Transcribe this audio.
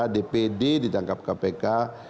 dpd ditangkap kpk